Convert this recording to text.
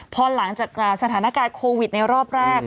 พอหลังจากสถานการณ์โควิดในรอบแรก